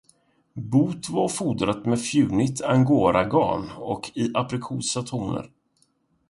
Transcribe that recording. Boet var fodrat med fjunigt angoragarn i aprikosa toner.